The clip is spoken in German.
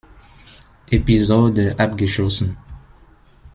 Episode abgeschlossen.